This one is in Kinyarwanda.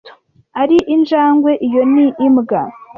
ari injangwe. Iyo ni imbwa.